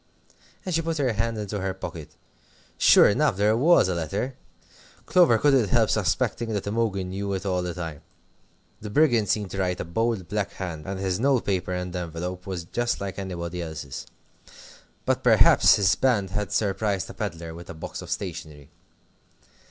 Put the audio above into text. And she put her hand into her pocket. Sure enough there was a letter. Clover couldn't help suspecting that Imogen knew it all the time. The Brigand seemed to write a bold, black hand, and his note paper and envelope was just like anybody else's. But perhaps his band had surprised a pedlar with a box of stationery.